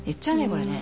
これね。